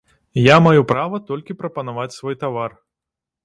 Я маю права толькі прапанаваць свой тавар.